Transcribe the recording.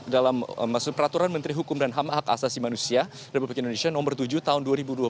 dalam peraturan menteri hukum dan ham hak asasi manusia republik indonesia nomor tujuh tahun dua ribu dua puluh